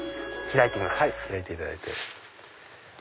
開いていただいて。